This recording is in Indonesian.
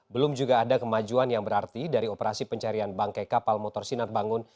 belum juga ada kemajuan yang berarti dari operasi pencarian bangkai kapal motor sinar bangun